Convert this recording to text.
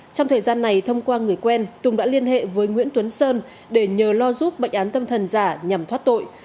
trong thời gian này thông qua người quen tùng đã liên hệ với nguyễn tuấn sơn để nhờ lo giúp bệnh án tâm thần giả nhằm thoát tội